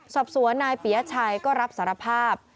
สอบสวนนายปียชัยก็รับสารภาพ